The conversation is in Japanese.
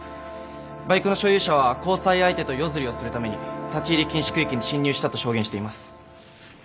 バイクの所有者は交際相手と夜釣りをするために立ち入り禁止区域に侵入したと証言しています。